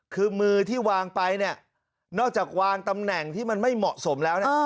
คือมือที่วางไปเนี่ยนอกจากวางตำแหน่งที่มันไม่เหมาะสมแล้วเนี่ย